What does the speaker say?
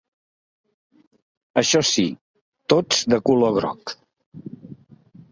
Això sí, tots de color groc.